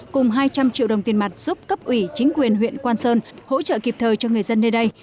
cùng hai trăm linh triệu đồng tiền mặt giúp cấp ủy chính quyền huyện quang sơn hỗ trợ kịp thời cho người dân nơi đây